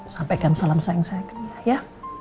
sampaikan salam sayang saya ke dia ya